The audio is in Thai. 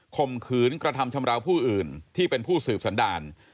ข่มขืนกระทำชำราวผู้อื่นที่เป็นผู้สืบสันดาล